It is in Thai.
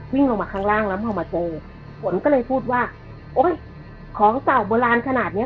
วิ่งลงมาข้างล่างแล้วพอมาเจอฝนก็เลยพูดว่าโอ๊ยของเต่าโบราณขนาดเนี้ย